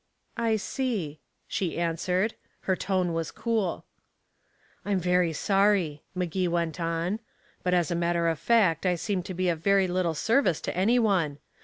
"I see," she answered. Her tone was cool. "I'm very sorry," Magee went on. "But as a matter of fact, I seem to be of very little service to any one.